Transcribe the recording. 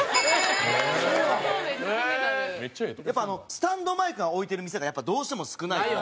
スタンドマイクが置いてる店がやっぱどうしても少ないから。